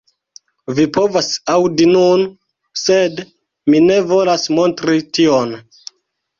Vi povas aŭdi nun, sed mi ne volas montri tion.